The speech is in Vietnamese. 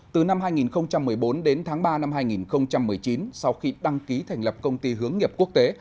từ năm hai nghìn một mươi bốn đến tháng ba năm hai nghìn một mươi chín sau khi đăng ký thành lập công ty hướng nghiệp quốc tế